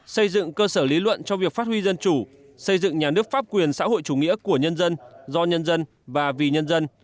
xây dựng cơ sở lý luận cho việc phát huy dân chủ xây dựng nhà nước pháp quyền xã hội chủ nghĩa của nhân dân do nhân dân và vì nhân dân